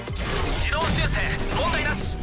自動修正問題なし。